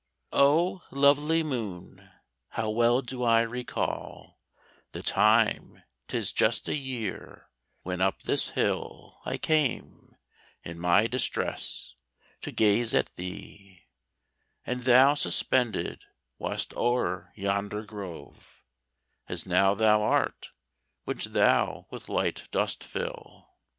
O lovely moon, how well do I recall The time,—'tis just a year—when up this hill I came, in my distress, to gaze at thee: And thou suspended wast o'er yonder grove, As now thou art, which thou with light dost fill.